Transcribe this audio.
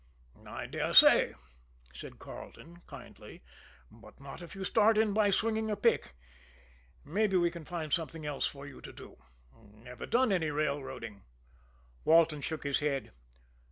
"I dare say," said Carleton kindly; "but not if you start in by swinging a pick. Maybe we can find something else for you to do. Ever done any railroading?" Walton shook his head.